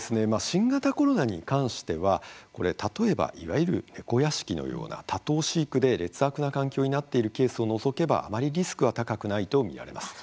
新型コロナに関しては例えば、いわゆる猫屋敷のような多頭飼育で、劣悪な環境になっているケースを除けばあまりリスクは高くないと見られます。